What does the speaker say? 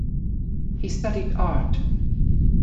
He studied art.